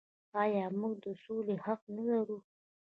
آیا موږ د سولې حق نلرو؟